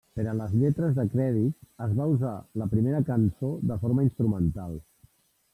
Per a les lletres de crèdit es va usar la primera cançó de forma instrumental.